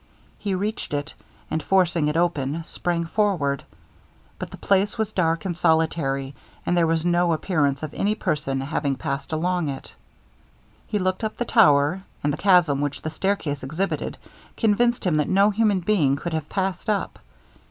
He reached it, and forcing it open, sprang forward; but the place was dark and solitary, and there was no appearance of any person having passed along it. He looked up the tower, and the chasm which the stair case exhibited, convinced him that no human being could have passed up.